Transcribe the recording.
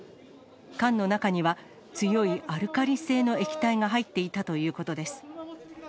缶の中には、強いアルカリ性の液体が入っていたということです。